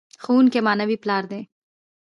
ښوونکی معنوي پلار دی.